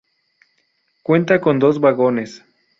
Cuenta con dos vagones.